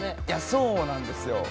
そうなんですよ。